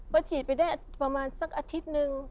ก็ฉีดไปได้ประมาณสักอาทิตย์หนึ่ง